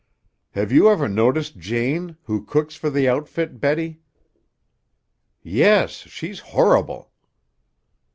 "Have you ever noticed Jane, who cooks for the outfit, Betty?" "Yes. She's horrible."